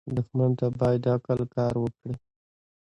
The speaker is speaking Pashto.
دښمن ته باید عقل کار وکړې